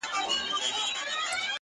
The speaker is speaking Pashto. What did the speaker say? بېگا چي خوب باندې ليدلي گلابي لاسونه;